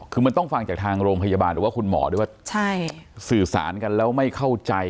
คือมันต้องฟังจากทางโรงพยาบาลหรือว่าคุณหมอด้วยว่าสื่อสารกันแล้วไม่เข้าใจ